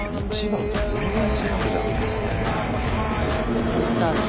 １番と全然違うじゃん。